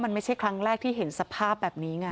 มันไม่ใช่ครั้งแรกที่เห็นสภาพแบบนี้ไง